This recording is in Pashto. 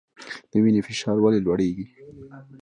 د وینې فشار ولې لوړیږي؟